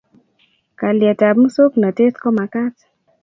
Kaliet ab musongnotet komakat